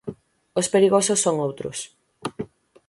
Os perigosos son outros.